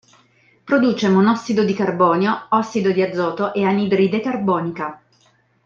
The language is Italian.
Produce monossido di carbonio, ossido di azoto e anidride carbonica.